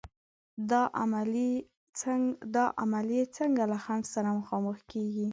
دا عملیې څنګه له خنډ سره مخامخ کېږي؟